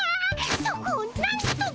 そこをなんとか。